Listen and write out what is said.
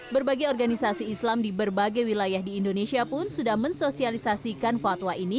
berbagai organisasi islam di berbagai wilayah di indonesia pun sudah mensosialisasikan fatwa ini